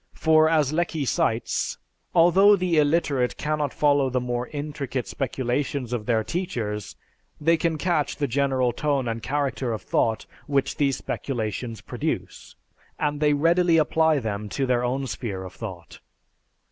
For as Lecky cites, "Although the illiterate cannot follow the more intricate speculations of their teachers, they can catch the general tone and character of thought which these speculations produce, and they readily apply them to their own sphere of thought."